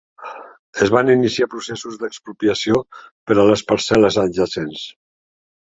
Es van iniciar processos d'expropiació per a les parcel·les adjacents.